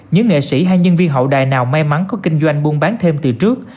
những nghệ sĩ hay nhân viên hậu đại nào may mắn có kinh doanh buôn bán thêm từ trước